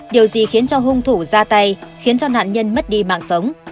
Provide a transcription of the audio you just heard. điều gì khiến cho hung thủ ra tay khiến cho nạn nhân mất đi mạng sống